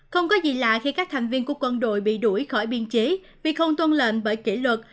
không có gì lạ khi các thành viên của quân đội bị đuổi khỏi biên chế vì không tuân lệnh bởi kỷ luật